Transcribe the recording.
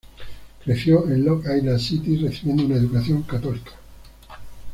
Creció en Long Island City, recibiendo una educación católica.